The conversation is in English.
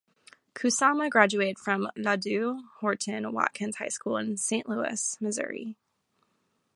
Kusama graduated from Ladue Horton Watkins High School in Saint Louis, Missouri.